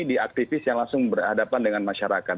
di aktivis yang langsung berhadapan dengan masyarakat